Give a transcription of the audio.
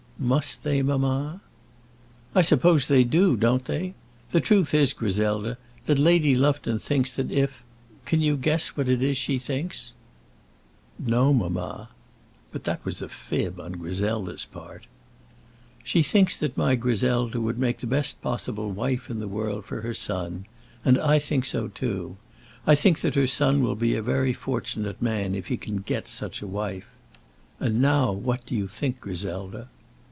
"Must they, mamma?" "I suppose they do, don't they? The truth is, Griselda, that Lady Lufton thinks that if Can you guess what it is she thinks?" "No, mamma." But that was a fib on Griselda's part. "She thinks that my Griselda would make the best possible wife in the world for her son; and I think so too. I think that her son will be a very fortunate man if he can get such a wife. And now what do you think, Griselda?"